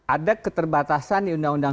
ada keterbatasan di undang undang sembilan belas